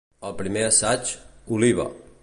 Al primer assaig, oliva!